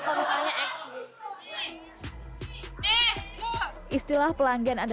seru sih sama bikin ketawa